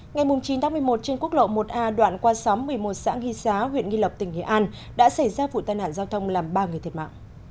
ngày chín một mươi một trên quốc lộ một a đoạn qua xóm một mươi một xã nghi xá huyện nghi lộc tỉnh nghệ an đã xảy ra vụ tai nạn giao thông làm ba người thiệt mạng